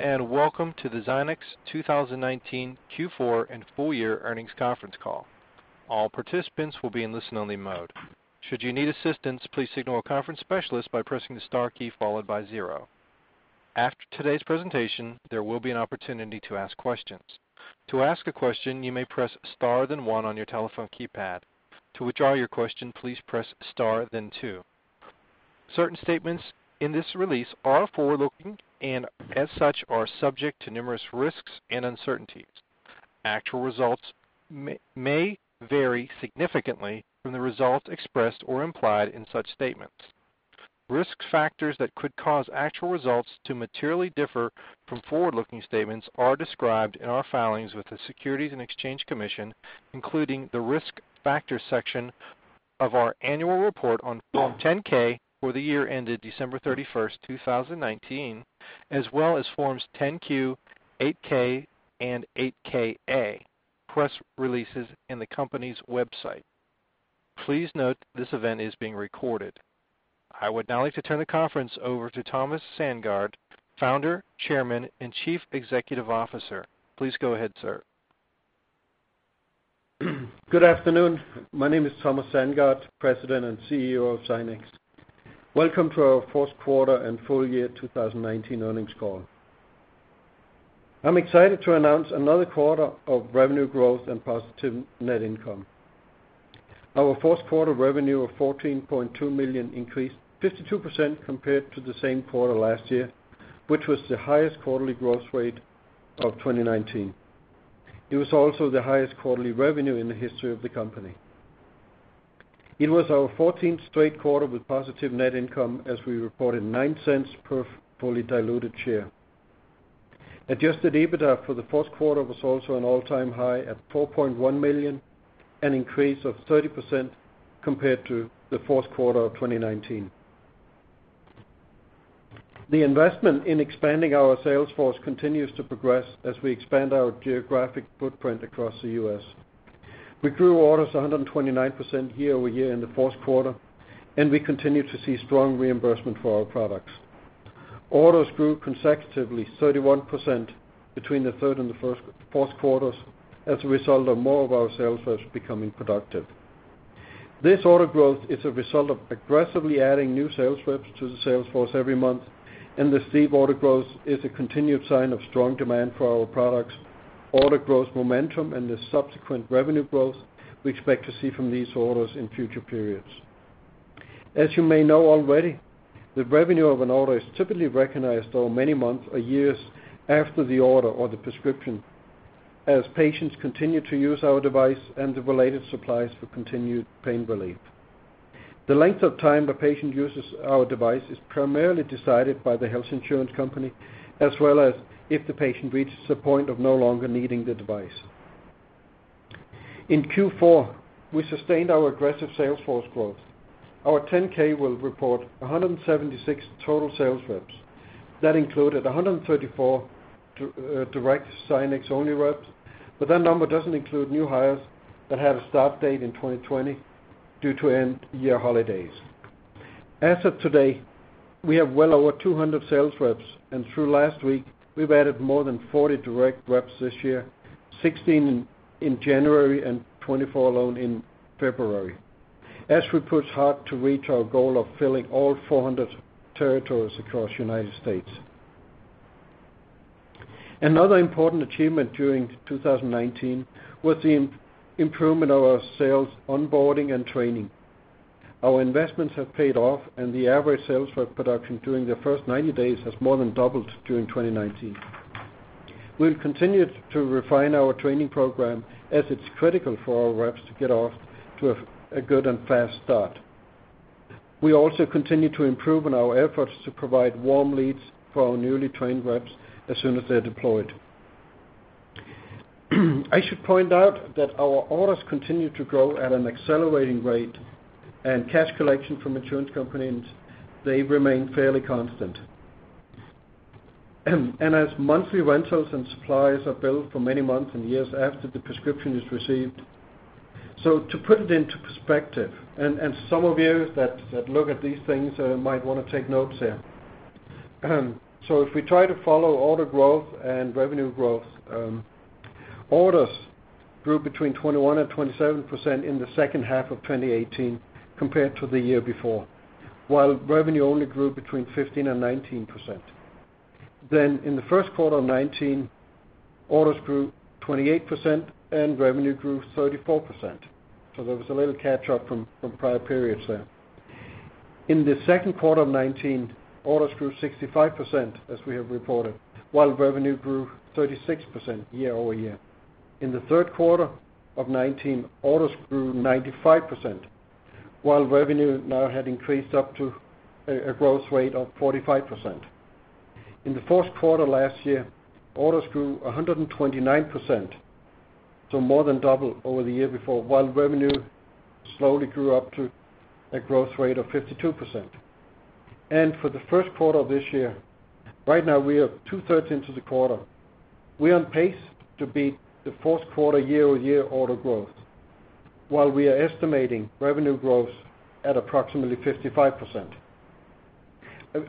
Welcome to the Zynex 2019 Q4 and Full Year Earnings Conference Call. All participants will be in listen-only mode. Should you need assistance, please signal a conference specialist by pressing the star key followed by zero. After today's presentation, there will be an opportunity to ask questions. To ask a question, you may press star then one on your telephone keypad. To withdraw your question, please press star then two. Certain statements in this release are forward-looking, and as such, are subject to numerous risks and uncertainties. Actual results may vary significantly from the results expressed or implied in such statements. Risk factors that could cause actual results to materially differ from forward-looking statements are described in our filings with the Securities and Exchange Commission, including the Risk Factors section of our annual report on Form 10-K for the year ended December 31st, 2019, as well as Forms 10-Q, Form 8-K, and Form 8-K/A, press releases in the company's website. Please note this event is being recorded. I would now like to turn the conference over to Thomas Sandgaard, Founder, Chairman, and Chief Executive Officer. Please go ahead, sir. Good afternoon. My name is Thomas Sandgaard, President and CEO of Zynex. Welcome to our fourth quarter and full year 2019 earnings call. I'm excited to announce another quarter of revenue growth and positive net income. Our fourth quarter revenue of $14.2 million increased 52%, compared to the same quarter last year, which was the highest quarterly growth rate of 2019. It was also the highest quarterly revenue in the history of the company. It was our 14th straight quarter with positive net income as we reported $0.09 per fully diluted share. Adjusted EBITDA for the fourth quarter was also an all-time high at $4.1 million, an increase of 30%, compared to the fourth quarter of 2018. The investment in expanding our sales force continues to progress as we expand our geographic footprint across the U.S. We grew orders 129%, year-over-year in the fourth quarter, and we continue to see strong reimbursement for our products. Orders grew consecutively 31%, between the third and the fourth quarters as a result of more of our sales reps becoming productive. This order growth is a result of aggressively adding new sales reps to the sales force every month, and the steep order growth is a continued sign of strong demand for our products, order growth momentum, and the subsequent revenue growth we expect to see from these orders in future periods. As you may know already, the revenue of an order is typically recognized for many months or years after the order or the prescription, as patients continue to use our device and the related supplies for continued pain relief. The length of time the patient uses our device is primarily decided by the health insurance company, as well as if the patient reaches a point of no longer needing the device. In Q4, we sustained our aggressive sales force growth. Our 10-K will report 176 total sales reps. That included 134 direct Zynex-only reps. That number doesn't include new hires that had a start date in 2020 due to end-year holidays. As of today, we have well over 200 sales reps. Through last week, we've added more than 40 direct reps this year, 16 in January and 24 alone in February, as we push hard to reach our goal of filling all 400 territories across the U.S. Another important achievement during 2019 was the improvement of our sales onboarding and training. Our investments have paid off, and the average sales rep production during their first 90 days has more than doubled during 2019. We'll continue to refine our training program as it's critical for our reps to get off to a good and fast start. We also continue to improve on our efforts to provide warm leads for our newly trained reps as soon as they're deployed. I should point out that our orders continue to grow at an accelerating rate, and cash collection from insurance companies, they remain fairly constant. As monthly rentals and supplies are billed for many months and years after the prescription is received. To put it into perspective, and some of you that look at these things might want to take notes here. If we try to follow order growth and revenue growth, orders grew between 21% and 27%, in the second half of 2018 compared to the year before, while revenue only grew between 15% and 19%. In the first quarter of 2019, orders grew 28%, and revenue grew 34%. There was a little catch up from prior periods there. In the second quarter of 2019, orders grew 65%, as we have reported, while revenue grew 36%, year-over-year. In the third quarter of 2019, orders grew 95%, while revenue now had increased up to a growth rate of 45%. In the fourth quarter last year, orders grew 129%, so more than double over the year before, while revenue slowly grew up to a growth rate of 52%. For the first quarter of this year, right now we are two-thirds into the quarter. We're on pace to beat the fourth quarter year-over-year order growth, while we are estimating revenue growth at approximately 55%.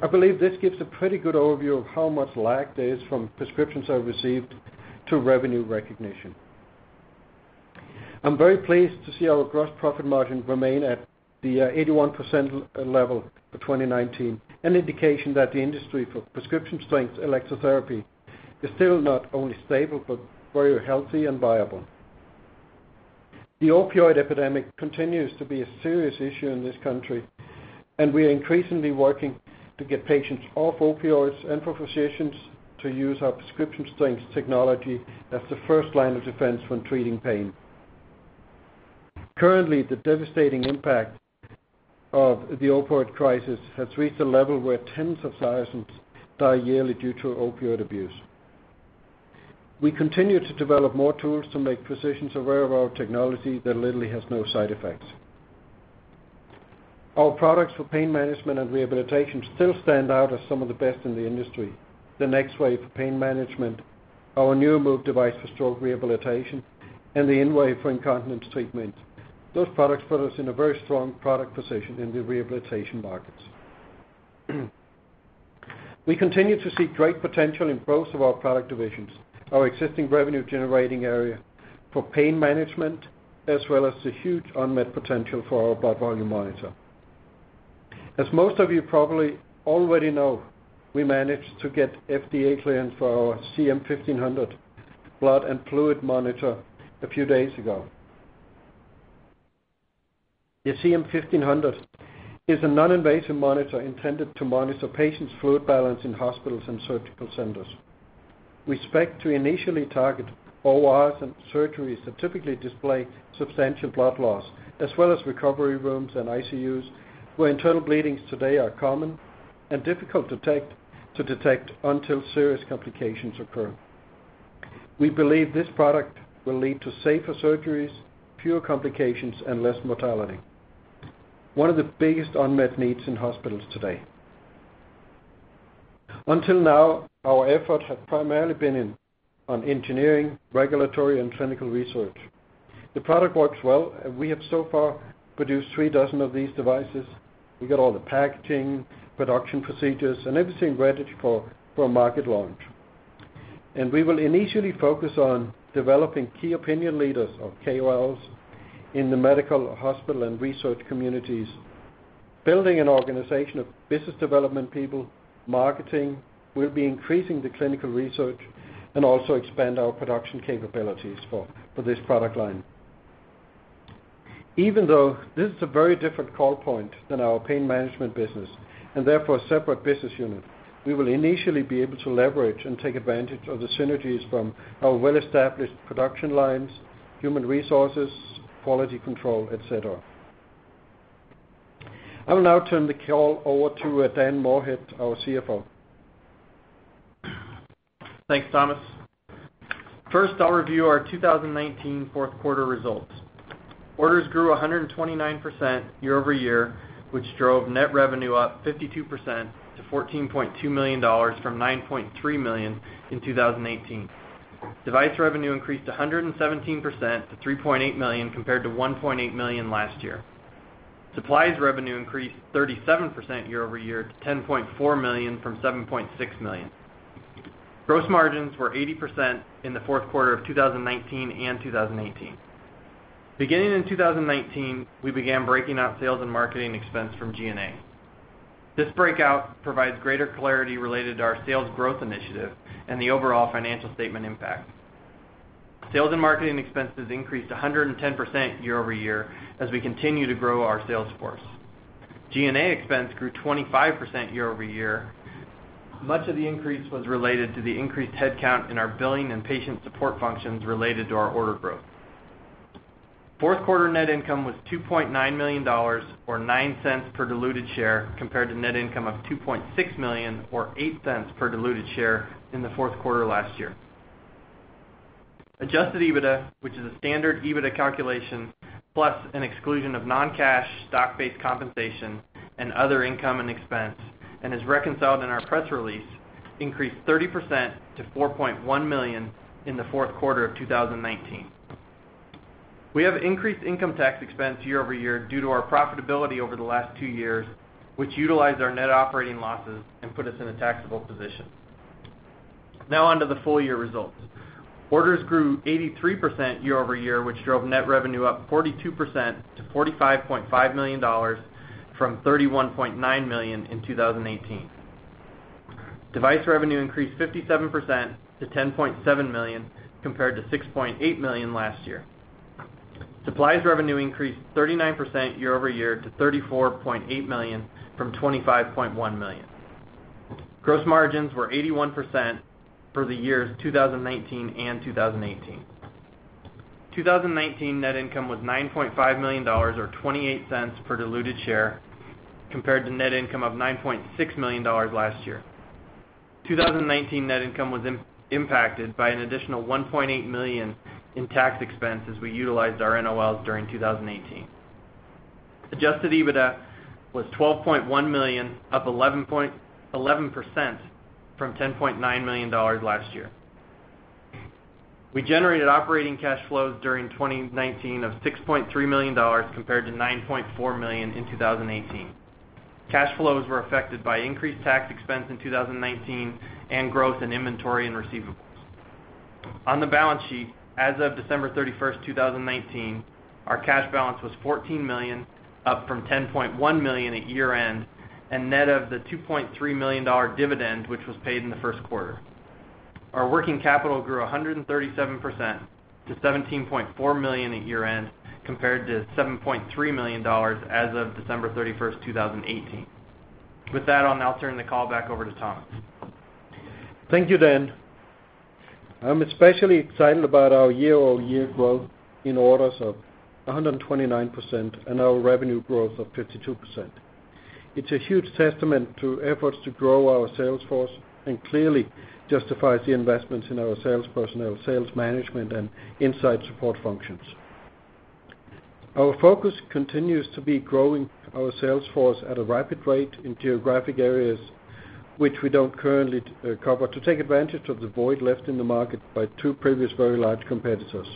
I believe this gives a pretty good overview of how much lag there is from prescriptions are received to revenue recognition. I'm very pleased to see our gross profit margin remain at the 81%, level for 2019, an indication that the industry for prescription strength electrotherapy is still not only stable but very healthy and viable. The opioid epidemic continues to be a serious issue in this country, and we are increasingly working to get patients off opioids and for physicians to use our prescription strength technology as the first line of defense when treating pain. Currently, the devastating impact of the opioid crisis has reached a level where tens of thousands die yearly due to opioid abuse. We continue to develop more tools to make physicians aware of our technology that literally has no side effects. Our products for pain management and rehabilitation still stand out as some of the best in the industry. The NexWave for pain management, our new NeuroMove device for stroke rehabilitation, and the InWave for incontinence treatment. Those products put us in a very strong product position in the rehabilitation markets. We continue to see great potential in both of our product divisions, our existing revenue-generating area for pain management, as well as the huge unmet potential for our blood volume monitor. As most of you probably already know, we managed to get FDA clearance for our CM-1500 blood and fluid monitor a few days ago. The CM-1500 is a non-invasive monitor intended to monitor patients' fluid balance in hospitals and surgical centers. We expect to initially target ORs and surgeries that typically display substantial blood loss, as well as recovery rooms and ICUs, where internal bleedings today are common and difficult to detect until serious complications occur. We believe this product will lead to safer surgeries, fewer complications, and less mortality, one of the biggest unmet needs in hospitals today. Until now, our effort had primarily been on engineering, regulatory, and clinical research. The product works well. We have so far produced 3 dozen of these devices. We got all the packaging, production procedures, and everything ready for market launch. We will initially focus on developing Key Opinion Leaders or KOLs in the medical, hospital, and research communities, building an organization of business development people, marketing. We'll be increasing the clinical research and also expand our production capabilities for this product line. Even though this is a very different call point than our pain management business, and therefore a separate business unit, we will initially be able to leverage and take advantage of the synergies from our well-established production lines, human resources, quality control, et cetera. I will now turn the call over to Dan Moorhead, our CFO. Thanks, Thomas. First, I'll review our 2019 fourth quarter results. Orders grew 129%, year-over-year, which drove net revenue up 52%, to $14.2 million from $9.3 million in 2018. Device revenue increased 117%, to $3.8 million compared to $1.8 million last year. Supplies revenue increased 37%, year-over-year to $10.4 million from $7.6 million. Gross margins were 80%, in the fourth quarter of 2019 and 2018. Beginning in 2019, we began breaking out sales and marketing expense from G&A. This breakout provides greater clarity related to our sales growth initiative and the overall financial statement impact. Sales and marketing expenses increased 110%, year-over-year as we continue to grow our sales force. G&A expense grew 25%, year-over-year. Much of the increase was related to the increased headcount in our billing and patient support functions related to our order growth. Fourth quarter net income was $2.9 million, or $0.09 per diluted share compared to net income of $2.6 million or $0.08 per diluted share in the fourth quarter last year. Adjusted EBITDA, which is a standard EBITDA calculation plus an exclusion of non-cash stock-based compensation and other income and expense and is reconciled in our press release, increased 30%, to $4.1 million in the fourth quarter of 2019. We have increased income tax expense year-over-year due to our profitability over the last two years, which utilized our Net Operating Losses and put us in a taxable position. Now on to the full year results. Orders grew 83%, year-over-year, which drove net revenue up 42%, to $45.5 million from $31.9 million in 2018. Device revenue increased 57%, to $10.7 million compared to $6.8 million last year. Supplies revenue increased 39%, year-over-year to $34.8 million from $25.1 million. Gross margins were 81%, for the years 2019 and 2018. 2019 net income was $9.5 million or $0.28 per diluted share compared to net income of $9.6 million last year. 2019 net income was impacted by an additional $1.8 million in tax expense as we utilized our NOLs during 2018. Adjusted EBITDA was $12.1 million, up 11%, from $10.9 million last year. We generated operating cash flows during 2019 of $6.3 million, compared to $9.4 million in 2018. Cash flows were affected by increased tax expense in 2019 and growth in inventory and receivables. On the balance sheet, as of December 31st, 2019, our cash balance was $14 million, up from $10.1 million at year-end, and net of the $2.3 million dividend, which was paid in the first quarter. Our working capital grew 137%, to $17.4 million at year-end, compared to $7.3 million as of December 31st, 2018. With that, I'll now turn the call back over to Thomas. Thank you, Dan. I'm especially excited about our year-over-year growth in orders of 129%, and our revenue growth of 52%. It's a huge testament to efforts to grow our sales force and clearly justifies the investments in our sales personnel, sales management, and insight support functions. Our focus continues to be growing our sales force at a rapid rate in geographic areas which we don't currently cover to take advantage of the void left in the market by two previous very large competitors.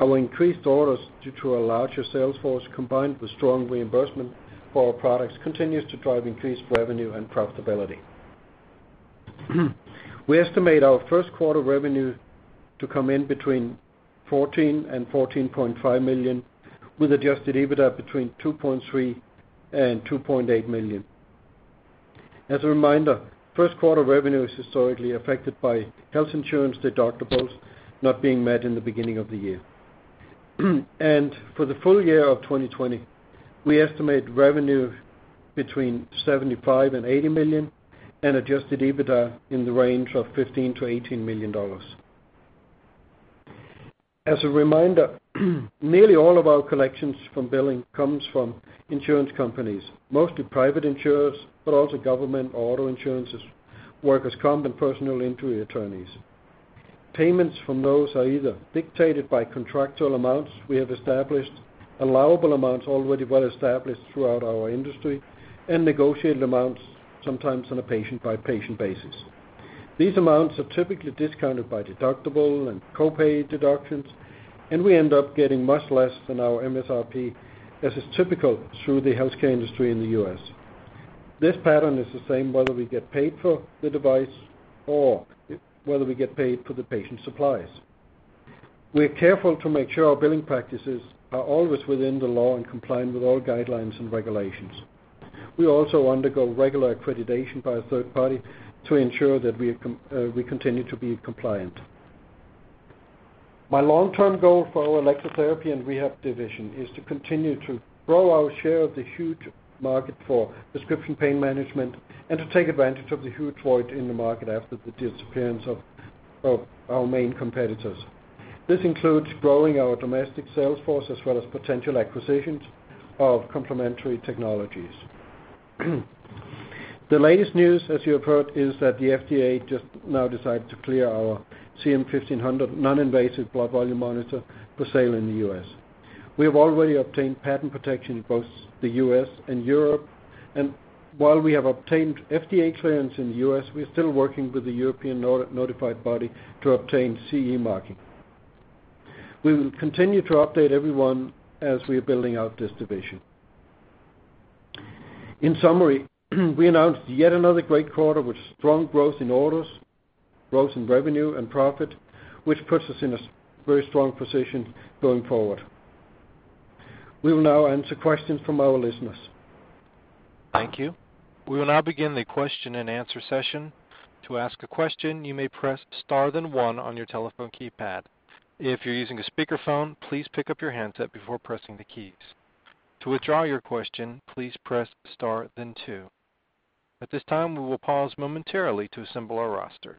Our increased orders due to a larger sales force, combined with strong reimbursement for our products, continues to drive increased revenue and profitability. We estimate our first quarter revenue to come in between $14 million and $14.5 million, with adjusted EBITDA between $2.3 million and $2.8 million. As a reminder, first quarter revenue is historically affected by health insurance deductibles not being met in the beginning of the year. For the full year of 2020, we estimate revenue between $75 million and $80 million and adjusted EBITDA in the range of $15 million-$18 million. As a reminder, nearly all of our collections from billing comes from insurance companies, mostly private insurers, but also government or auto insurances, workers' comp, and personal injury attorneys. Payments from those are either dictated by contractual amounts we have established, allowable amounts already well established throughout our industry, and negotiated amounts, sometimes on a patient-by-patient basis. These amounts are typically discounted by deductible and copay deductions, and we end up getting much less than our MSRP, as is typical through the healthcare industry in the U.S. This pattern is the same whether we get paid for the device or whether we get paid for the patient supplies. We're careful to make sure our billing practices are always within the law and compliant with all guidelines and regulations. We also undergo regular accreditation by a third party to ensure that we continue to be compliant. My long-term goal for our electrotherapy and rehab division is to continue to grow our share of the huge market for prescription pain management and to take advantage of the huge void in the market after the disappearance of our main competitors. This includes growing our domestic sales force as well as potential acquisitions of complementary technologies. The latest news, as you have heard, is that the FDA just now decided to clear our CM-1500 non-invasive blood volume monitor for sale in the U.S. We have already obtained patent protection in both the U.S. and Europe. While we have obtained FDA clearance in the U.S., we are still working with the European notified body to obtain CE marking. We will continue to update everyone as we are building out this division. In summary, we announced yet another great quarter with strong growth in orders, growth in revenue and profit, which puts us in a very strong position going forward. We will now answer questions from our listeners. Thank you. We will now begin the question and answer session. To ask a question, you may press star then one on your telephone keypad. If you're using a speakerphone, please pick up your handset before pressing the keys. To withdraw your question, please press star then two. At this time, we will pause momentarily to assemble our roster.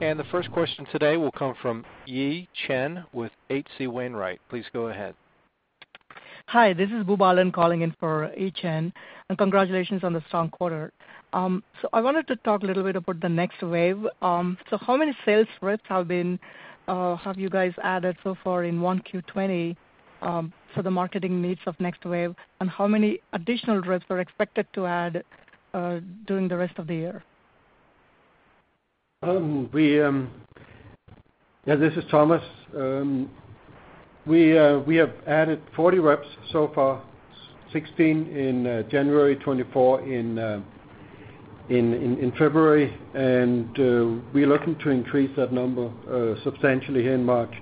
The first question today will come from Yi Chen with H.C. Wainwright. Please go ahead. Hi, this is Aman Gulani calling in for Yi Chen. Congratulations on the strong quarter. I wanted to talk a little bit about the NexWave. How many sales reps have you guys added so far in one Q20 for the marketing needs of NexWave, and how many additional reps are expected to add during the rest of the year? Yeah, this is Thomas. We have added 40 reps so far, 16 in January, 24 in February, and we're looking to increase that number substantially here in March.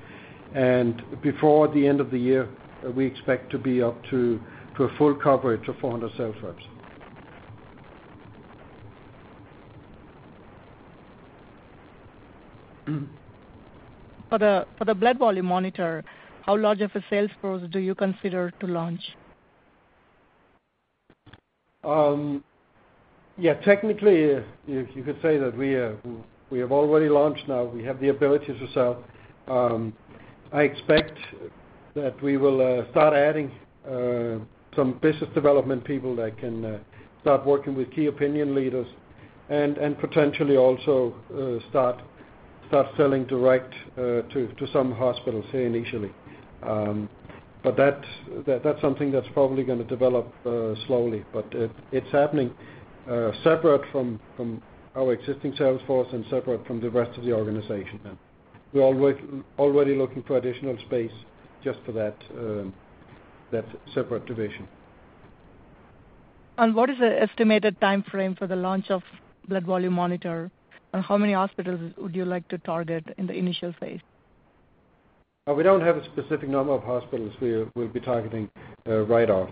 Before the end of the year, we expect to be up to a full coverage of 400 sales reps. For the blood volume monitor, how large of a sales force do you consider to launch? Technically, you could say that we have already launched now. We have the ability to sell. I expect that we will start adding some business development people that can start working with key opinion leaders, and potentially also start selling direct to some hospitals, initially. That's something that's probably going to develop slowly, but it's happening separate from our existing sales force and separate from the rest of the organization then. We're already looking for additional space just for that separate division. What is the estimated timeframe for the launch of blood volume monitor, and how many hospitals would you like to target in the initial phase? We don't have a specific number of hospitals we'll be targeting right off.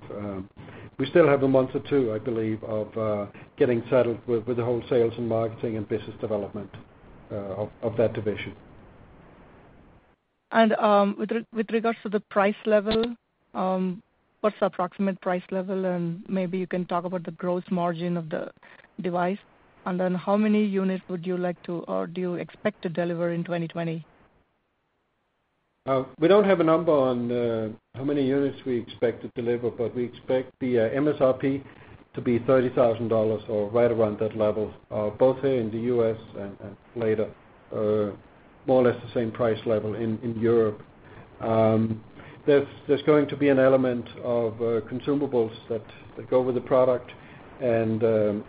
We still have a month or two, I believe, of getting settled with the whole sales and marketing and business development of that division. With regards to the price level, what's the approximate price level? Maybe you can talk about the gross margin of the device. How many units would you like to, or do you expect to deliver in 2020? We don't have a number on how many units we expect to deliver, but we expect the MSRP to be $30,000, or right around that level, both here in the U.S. and later, more or less the same price level in Europe. There's going to be an element of consumables that go with the product and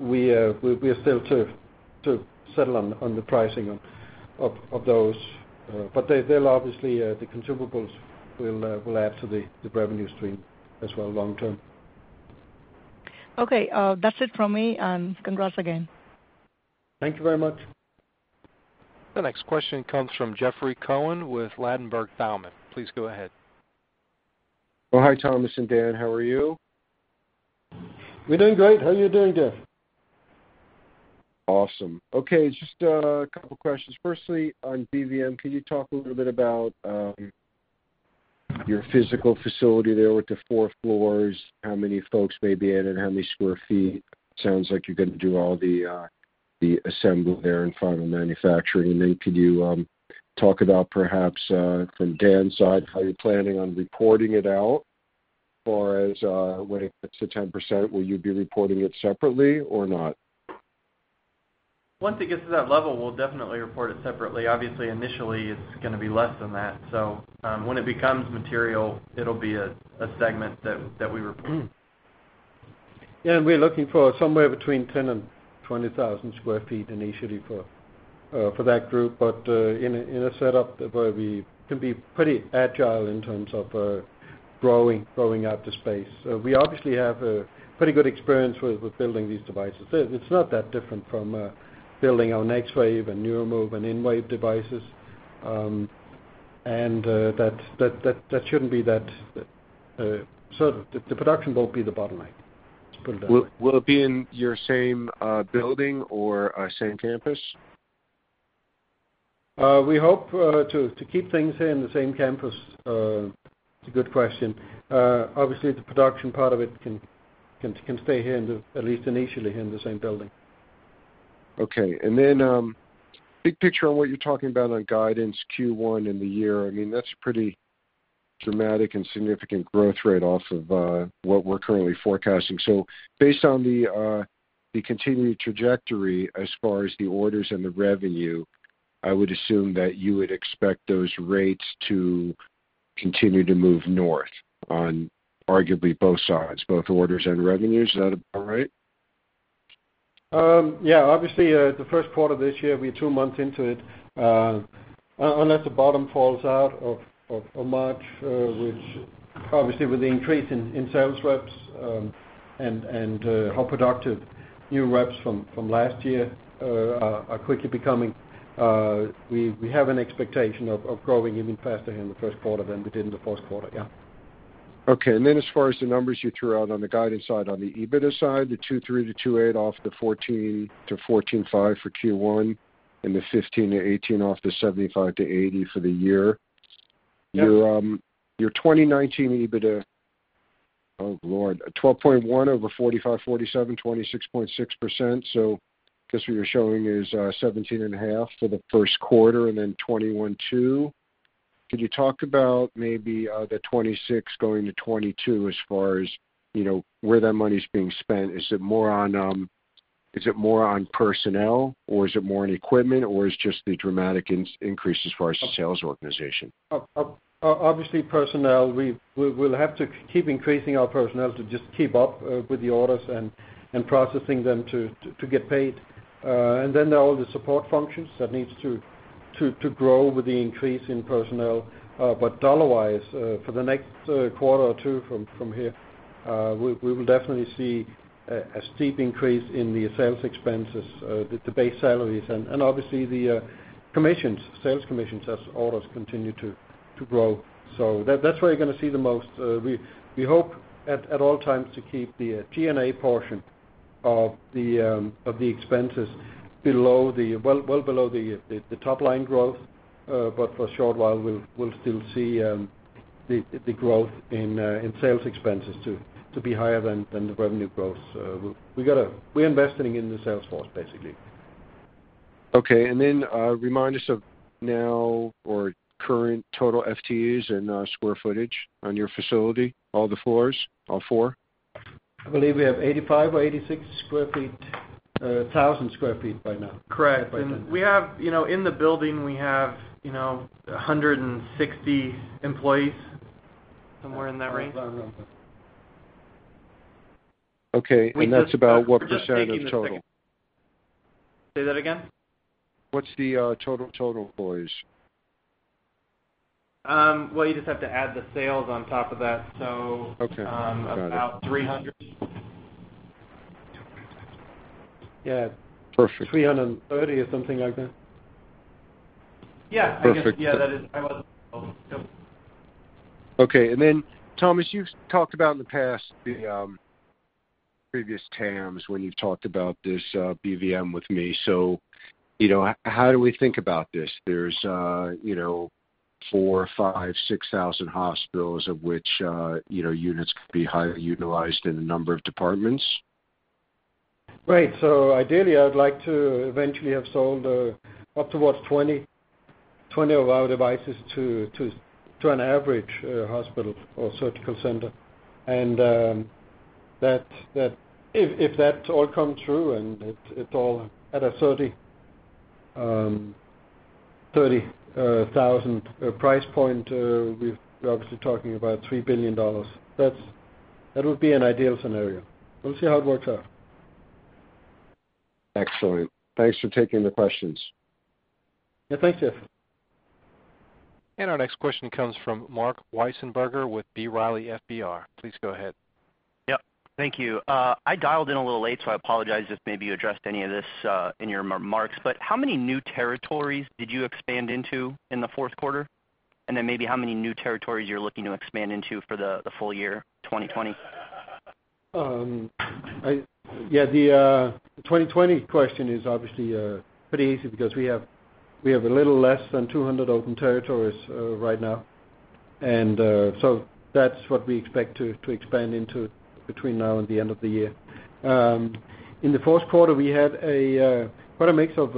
we are still to settle on the pricing of those. Obviously, the consumables will add to the revenue stream as well long term. Okay. That's it from me, and congrats again. Thank you very much. The next question comes from Jeffrey Cohen with Ladenburg Thalmann. Please go ahead. Hi, Thomas and Dan. How are you? We're doing great. How are you doing, Jeff? Awesome. Okay, just a couple of questions. Firstly, on BVM, can you talk a little bit about your physical facility there with the four floors, how many folks may be in and how many square feet? Sounds like you're going to do all the assembly there and final manufacturing. Then could you talk about perhaps, from Dan's side, how you're planning on reporting it out, far as when it gets to 10%, will you be reporting it separately or not? Once it gets to that level, we'll definitely report it separately. Obviously, initially, it's going to be less than that. When it becomes material, it'll be a segment that we report. Yeah, we're looking for somewhere between 10,000 and 20,000 square feet initially for that group. In a setup where we can be pretty agile in terms of growing out the space. We obviously have pretty good experience with building these devices. It's not that different from building our NexWave and NeuroMove and InWave devices. The production won't be the bottleneck, let's put it that way. Will it be in your same building or same campus? We hope to keep things here in the same campus. It's a good question. Obviously, the production part of it can stay here, at least initially, in the same building. Okay. Big picture on what you're talking about on guidance Q1 in the year. I mean, that's pretty dramatic and significant growth rate off of what we're currently forecasting. Based on the continued trajectory as far as the orders and the revenue, I would assume that you would expect those rates to continue to move north on arguably both sides, both orders and revenues. Is that about right? Yeah. Obviously, the first quarter of this year, we're two months into it. Unless the bottom falls out of March, which obviously with the increase in sales reps, and how productive new reps from last year are quickly becoming, we have an expectation of growing even faster in the first quarter than we did in the fourth quarter. Yeah. Okay. Then as far as the numbers you threw out on the guidance side, on the EBITDA side, the $2.3 million-$2.8 million off the $14 million-$14.5 million for Q1, and the $15 million-$18 million off the $75 million-$80 million for the year. Yes. Your 2019 EBITDA, oh, Lord, $12.1 over $4,547, 26.6%. I guess what you're showing is 17 and a half for the first quarter and then 21.2%. Could you talk about maybe the 26% going to 22%, as far as where that money's being spent? Is it more on personnel or is it more on equipment, or is it just the dramatic increase as far as the sales organization? Obviously, personnel. We'll have to keep increasing our personnel to just keep up with the orders and processing them to get paid. Then all the support functions that needs to grow with the increase in personnel. Dollar-wise, for the next quarter or two from here, we will definitely see a steep increase in the sales expenses, the base salaries, and obviously the sales commissions as orders continue to grow. That's where you're going to see the most. We hope at all times to keep the G&A portion of the expenses well below the top-line growth. For a short while, we'll still see the growth in sales expenses to be higher than the revenue growth. We're investing in the sales force, basically. Okay. Remind us of now or current total FTEs and square footage on your facility, all the floors, all four? I believe we have 85,000 or 86,000 sq ft by now. Correct. In the building, we have 160 employees, somewhere in that range. Okay. That's about what % of total? Say that again? What's the total employees? Well, you just have to add the sales on top of that. Okay. Got it. about 300. Yeah. Perfect. 330 or something like that. Yeah. Perfect. I guess, yeah. That is. I wasn't. Yep. Okay. Thomas, you've talked about in the past, the previous TAMs, when you've talked about this BVM with me. How do we think about this? There's four or five, 6,000 hospitals of which units could be highly utilized in a number of departments? Right. Ideally, I would like to eventually have sold up towards 20 of our devices to an average hospital or surgical center. If that all comes true, and it all at a 30,000 price point, we're obviously talking about $3 billion. That would be an ideal scenario. We'll see how it works out. Excellent. Thanks for taking the questions. Yeah. Thanks, Jeff. Our next question comes from Marc Wiesenberger with B. Riley FBR. Please go ahead. Yep. Thank you. I dialed in a little late, so I apologize if maybe you addressed any of this in your remarks, but how many new territories did you expand into in the fourth quarter? Maybe how many new territories you're looking to expand into for the full year 2020? Yeah, the 2020 question is obviously pretty easy because we have a little less than 200 open territories right now. That's what we expect to expand into between now and the end of the year. In the first quarter, we had quite a mix of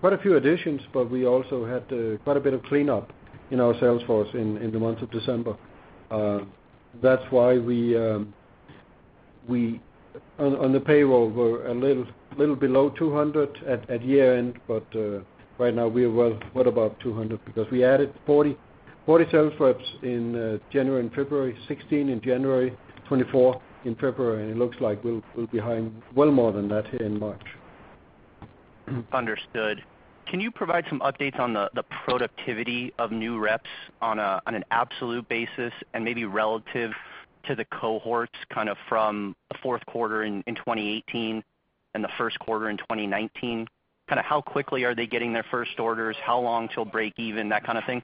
quite a few additions, but we also had quite a bit of cleanup in our sales force in the month of December. That's why on the payroll, we're a little below 200 at year-end. Right now we're well about 200 because we added 40 sales reps in January and February, 16 in January, 24 in February, and it looks like we'll be hiring well more than that in March. Understood. Can you provide some updates on the productivity of new reps on an absolute basis and maybe relative to the cohorts from the fourth quarter in 2018 and the first quarter in 2019? How quickly are they getting their first orders? How long till break even, that kind of thing?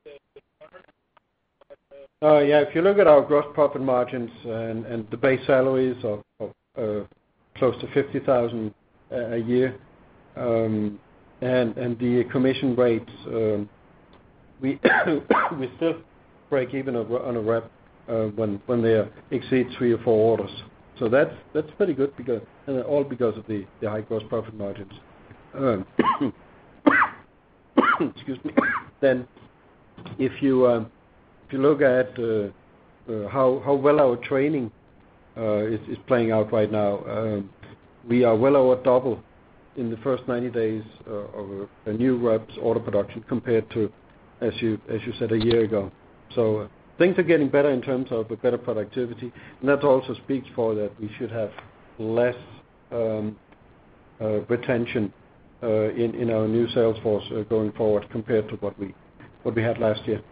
If you look at our gross profit margins and the base salaries are close to $50,000 a year, and the commission rates, we still break even on a rep when they exceed three or four orders. That's pretty good and all because of the high gross profit margins. Excuse me. If you look at how well our training is playing out right now, we are well over double in the first 90 days of a new rep's order production compared to, as you said, a year ago. Things are getting better in terms of better productivity, and that also speaks for that we should have less retention in our new sales force going forward compared to what we had last year.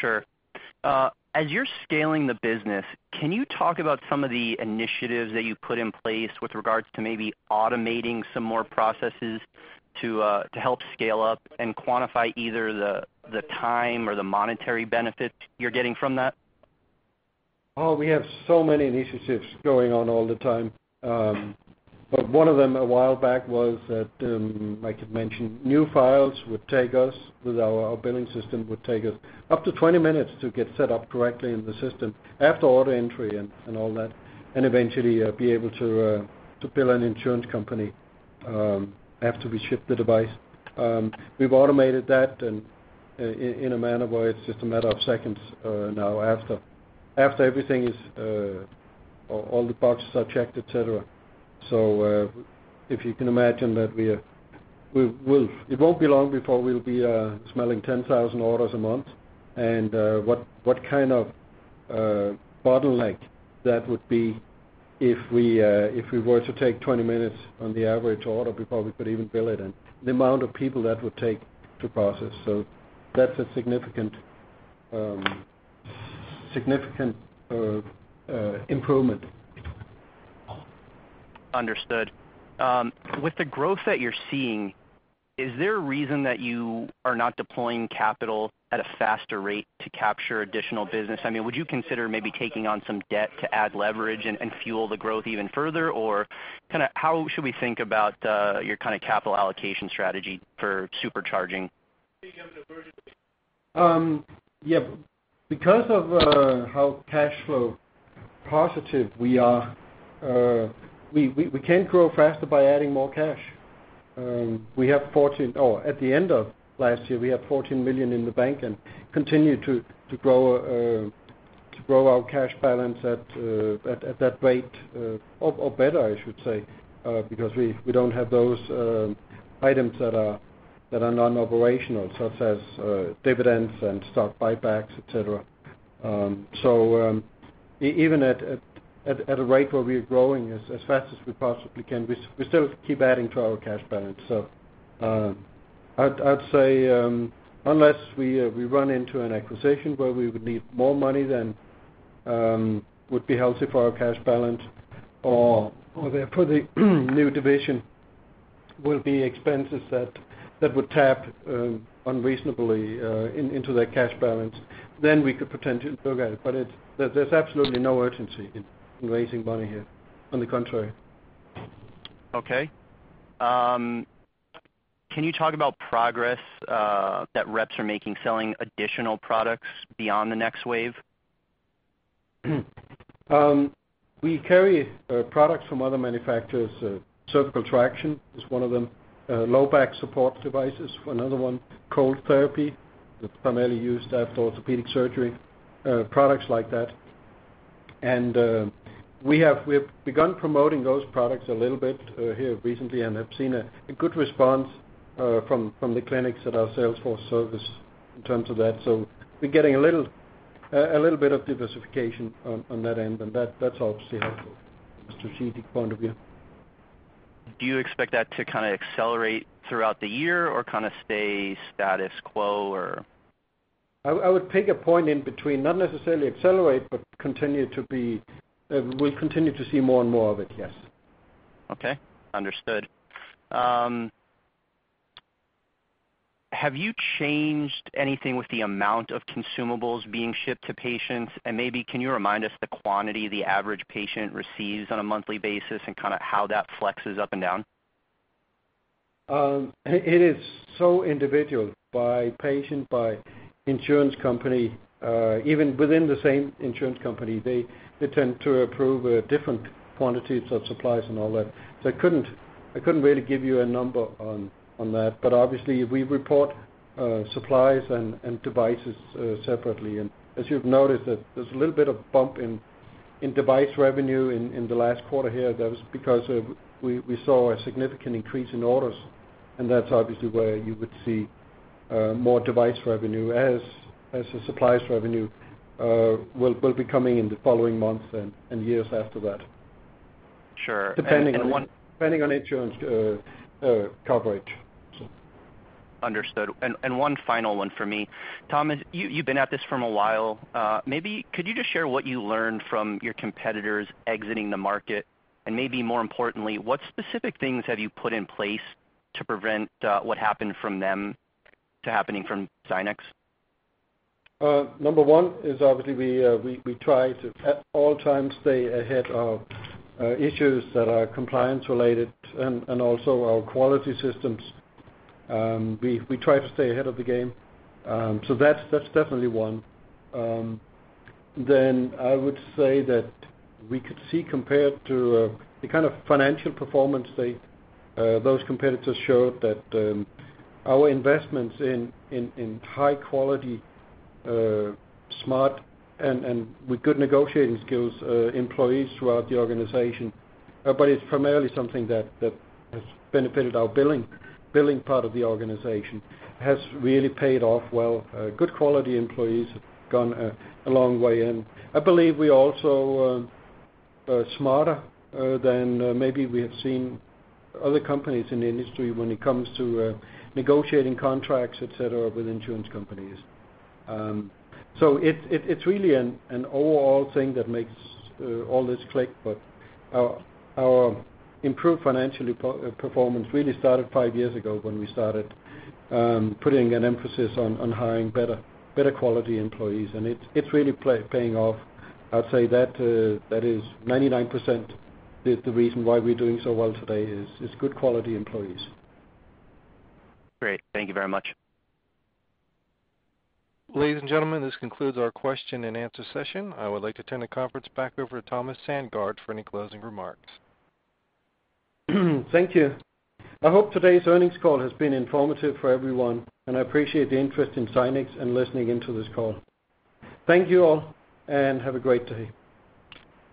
Sure. As you're scaling the business, can you talk about some of the initiatives that you've put in place with regards to maybe automating some more processes to help scale up and quantify either the time or the monetary benefit you're getting from that? We have so many initiatives going on all the time. One of them a while back was that, Mike had mentioned, new files with our billing system would take us up to 20 minutes to get set up correctly in the system after order entry and all that, and eventually be able to bill an insurance company after we ship the device. We've automated that and in a manner where it's just a matter of seconds now after all the boxes are checked, et cetera. If you can imagine that it won't be long before we'll be smelling 10,000 orders a month and what kind of bottleneck that would be if we were to take 20 minutes on the average order before we could even bill it, and the amount of people that would take to process. That's a significant improvement. Understood. With the growth that you're seeing, is there a reason that you are not deploying capital at a faster rate to capture additional business? Would you consider maybe taking on some debt to add leverage and fuel the growth even further, or how should we think about your capital allocation strategy for supercharging? Yeah, because of how cash flow positive, we can't grow faster by adding more cash. At the end of last year, we had $14 million in the bank and continued to grow our cash balance at that rate or better, I should say, because we don't have those items that are non-operational, such as dividends and stock buybacks, et cetera. Even at a rate where we are growing as fast as we possibly can, we still keep adding to our cash balance. I'd say, unless we run into an acquisition where we would need more money than would be healthy for our cash balance, or for the new division will be expenses that would tap unreasonably into that cash balance, then we could potentially look at it. There's absolutely no urgency in raising money here. On the contrary. Okay. Can you talk about progress that reps are making selling additional products beyond the NexWave? We carry products from other manufacturers. Cervical traction is one of them. Low back support device is another one. Cold therapy, that's primarily used after orthopedic surgery. Products like that. We have begun promoting those products a little bit here recently and have seen a good response from the clinics that our sales force service in terms of that. We're getting a little bit of diversification on that end, and that's obviously helpful from a strategic point of view. Do you expect that to kind of accelerate throughout the year or kind of stay status quo, or? I would pick a point in between, not necessarily accelerate, but we'll continue to see more and more of it, yes. Okay. Understood. Have you changed anything with the amount of consumables being shipped to patients? Maybe can you remind us the quantity the average patient receives on a monthly basis and kind of how that flexes up and down? It is so individual by patient, by insurance company. Even within the same insurance company, they tend to approve different quantities of supplies and all that. I couldn't really give you a number on that. Obviously, we report supplies and devices separately. As you've noticed that there's a little bit of bump in device revenue in the last quarter here. That was because we saw a significant increase in orders, and that's obviously where you would see more device revenue as the supplies revenue will be coming in the following months and years after that. Sure. Depending on insurance coverage. Understood. One final one for me. Thomas, you've been at this for a while. Maybe could you just share what you learned from your competitors exiting the market, and maybe more importantly, what specific things have you put in place to prevent what happened from them to happening from Zynex? Number 1 is obviously we try to, at all times, stay ahead of issues that are compliance related and also our quality systems. We try to stay ahead of the game. That's definitely 1. I would say that we could see, compared to the kind of financial performance those competitors showed, that our investments in high quality, smart, and with good negotiating skills, employees throughout the organization, it's primarily something that has benefited our billing part of the organization. It has really paid off well. Good quality employees have gone a long way. I believe we're also smarter than maybe we have seen other companies in the industry when it comes to negotiating contracts, etc., with insurance companies. It's really an overall thing that makes all this click, but our improved financial performance really started five years ago when we started putting an emphasis on hiring better quality employees, and it's really paying off. I'd say that is 99%, the reason why we're doing so well today, is good quality employees. Great. Thank you very much. Ladies and gentlemen, this concludes our question and answer session. I would like to turn the conference back over to Thomas Sandgaard for any closing remarks. Thank you. I hope today's earnings call has been informative for everyone, and I appreciate the interest in Zynex and listening into this call. Thank you all, and have a great day.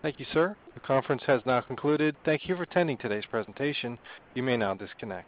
Thank you, sir. The conference has now concluded. Thank you for attending today's presentation. You may now disconnect.